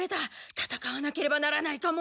たたかわなければならないかも。